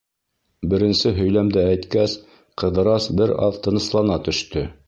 Беренсе һөйләмде әйткәс, Ҡыҙырас бер аҙ тыныслана төштө.